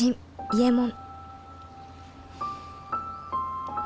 「伊右衛門」